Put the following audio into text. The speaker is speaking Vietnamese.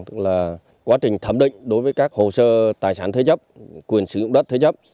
tức là quá trình thẩm định đối với các hồ sơ tài sản thế chấp quyền sử dụng đất thế chấp